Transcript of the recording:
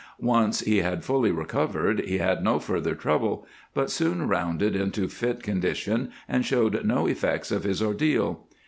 Once he had fully recovered he had no further trouble, but soon rounded into fit condition and showed no effects of his ordeal.